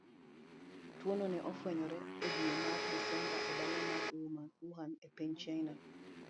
Tuwono ne ofwenyore e dwe mar Desemba e dala mar Wuhan, e piny China.